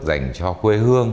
dành cho quê hương